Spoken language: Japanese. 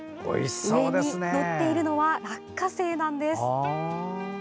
上に載っているのは落花生なんです。